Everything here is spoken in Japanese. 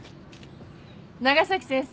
長崎先生。